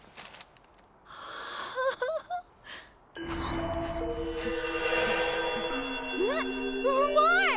んっうまい！